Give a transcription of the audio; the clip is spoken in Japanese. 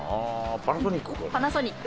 パナソニック。